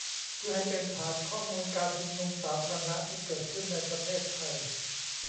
เพื่อให้เป็นฐานข้อมูลการชุมนุมสาธารณะที่เกิดขึ้นในประเทศไทย